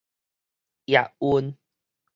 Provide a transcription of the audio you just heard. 驛運